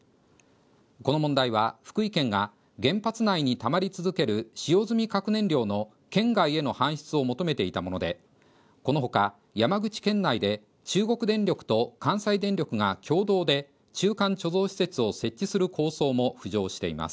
この問題は、福井県が原発内にたまり続ける使用済み核燃料の県外への搬出を求めていたもので、この他、山口県内で中国電力と関西電力が共同で中間貯蔵施設を設置する構想も浮上しています。